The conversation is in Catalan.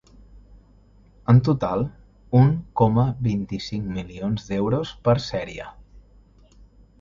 En total, u coma vint-i-cinc milions d’euros per sèrie.